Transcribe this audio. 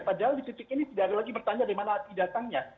padahal di titik ini tidak ada lagi bertanya dari mana api datangnya